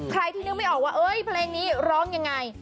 ใครที่นึกไม่ออกว่าเอ้ยเพลงนี้ร้องยังไง